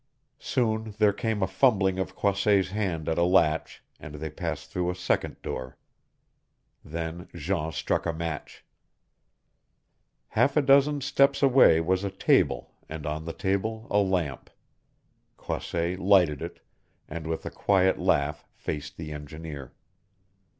Soon there came a fumbling of Croisset's hand at a latch and they passed through a second door. Then Jean struck a match. Half a dozen steps away was a table and on the table a lamp. Croisset lighted it, and with a quiet laugh faced the engineer.